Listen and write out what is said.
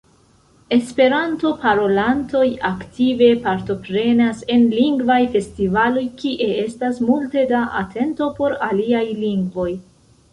Esperanto-parolantoj aktive partoprenas en lingvaj festivaloj kie estas multe da atento por aliaj lingvoj.